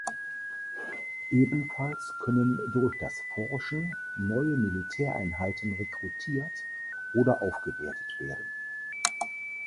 Ebenfalls können durch das Forschen neue Militäreinheiten rekrutiert oder aufgewertet werden.